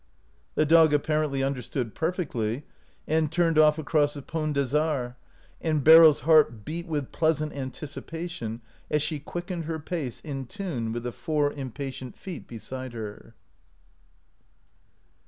The dog apparently understood perfectly, and turned off across the Pont des Arts, and Beryl's heart beat with pleasant anticipation as she quickened her pace in tune with the four impatient feet beside her.